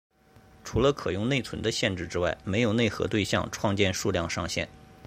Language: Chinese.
除了可用内存的限制之外没有内核对象创建数量上限。